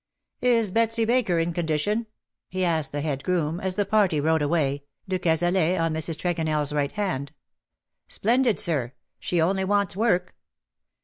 " Ls Betsy Baker in condition ?" he asked the head groom, as the party rode away, de Cazalet on Mrs. TregonelFs right hand. " Splendid, sir. She only wants work.''